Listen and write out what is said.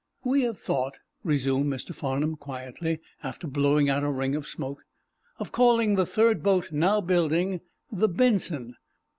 "We have thought," resumed Mr. Farnum, quietly, after blowing out a ring of smoke, "of calling the third boat, now building, the 'Benson.